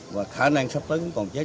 và khả năng sắp tới cũng còn chết